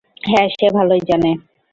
হ্যাঁ, সে ভালোই জানে।